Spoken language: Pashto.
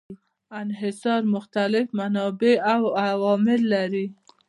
انحصار مختلف منابع او عوامل لري.